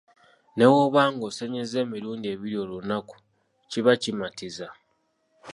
Ne bw'oba ng'osenyezza emirundi ebiri olunaku kiba kimatiza.